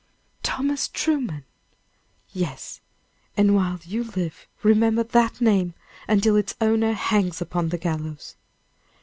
"Thomas Truman!" "Yes; and while you live, remember that name, until its owner hangs upon the gallows!"